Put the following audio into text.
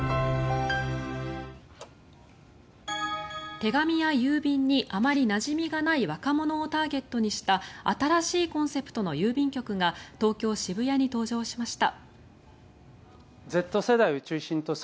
手紙や郵便にあまりなじみがない若者をターゲットにした新しいコンセプトの郵便局が東京・渋谷に登場しました。